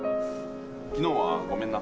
昨日はごめんな。